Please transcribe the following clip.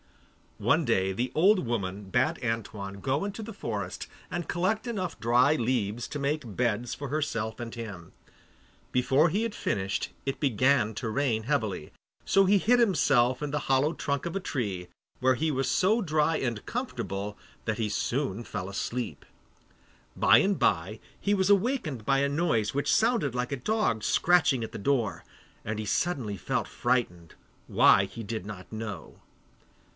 One day the old woman bade Antoine go into the forest and collect enough dry leaves to make beds for herself and him. Before he had finished it began to rain heavily, so he hid himself in the hollow trunk of a tree, where he was so dry and comfortable that he soon fell fast asleep. By and by he was awakened by a noise which sounded like a dog scratching at the door, and he suddenly felt frightened, why he did not know.